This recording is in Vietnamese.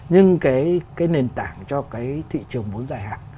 nhưng cái nền tảng cho cái thị trường vốn dài hạn